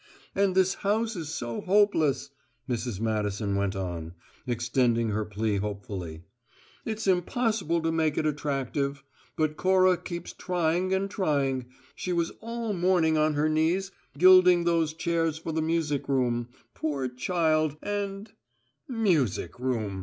And this house is so hopeless," Mrs. Madison went on, extending her plea hopefully; "it's impossible to make it attractive, but Cora keeps trying and trying: she was all morning on her knees gilding those chairs for the music room, poor child, and " "`Music room'!"